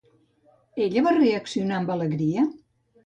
Ella va reaccionar amb alegria?